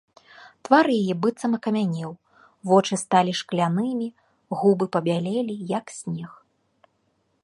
Твар яе быццам акамянеў, вочы сталі шклянымі, губы пабялелі, як снег.